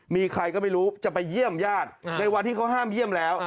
มีใครก็ไม่รู้จะไปเยี่ยมญาติในวันที่เขาห้ามเยี่ยมแล้ว